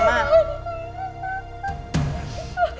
ma dewi takut gak ma